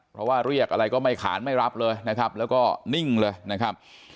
เพราะว่าเรียกอะไรก็ไม่ขานไม่รับเลยนะครับแล้วก็นิ่งเลยนะครับ